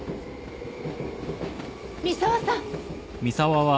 三沢さん！